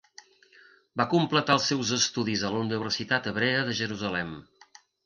Va completar els seus estudis a la Universitat Hebrea de Jerusalem.